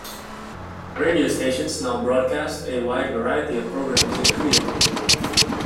Radio stations now broadcast a wide variety of programs in Krio.